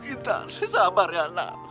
intan sabar ya na